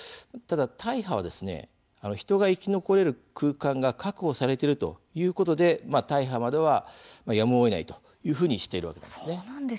大破は人が生き残れる空間が確保されているということで大破までは、やむをえないというふうにしているんです。